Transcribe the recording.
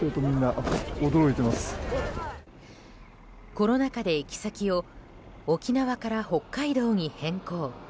コロナ禍で行き先を沖縄から北海道に変更。